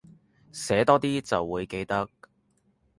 寫多啲就會記得